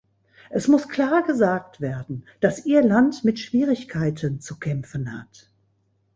Es muss klar gesagt werden, dass ihr Land mit Schwierigkeiten zu kämpfen hat.